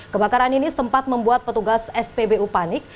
kebakaran ini sempat membuat petugas spbu panik